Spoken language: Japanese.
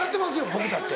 僕だって。